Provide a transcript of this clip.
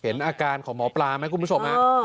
อาการของหมอปลาไหมคุณผู้ชม